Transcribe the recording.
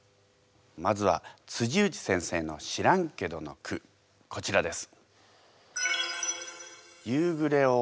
まずは内先生の「知らんけど」の句こちらです。